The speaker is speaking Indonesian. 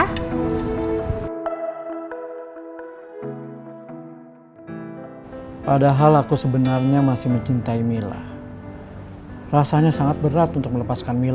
kalau ada yang berangkat schedule akan saya kabar hidup berlanjut